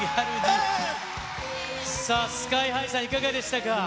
さあ、ＳＫＹーＨＩさん、いかがでしたか？